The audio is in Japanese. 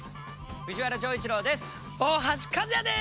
藤原丈一郎です。